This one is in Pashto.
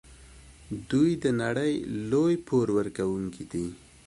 دوی د نړۍ لوی پور ورکوونکي دي.